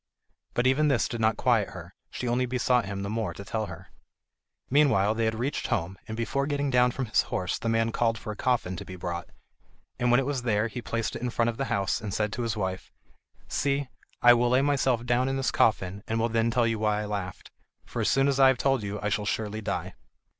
But even this did not quiet her; she only besought him the more to tell her. Meanwhile they had reached home, and before getting down from his horse the man called for a coffin to be brought; and when it was there he placed it in front of the house, and said to his wife: "See, I will lay myself down in this coffin, and will then tell you why I laughed, for as soon as I have told you I shall surely die."